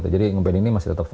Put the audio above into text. jadi nge band ini masih tetap fun